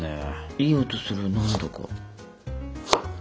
いい音する何だか。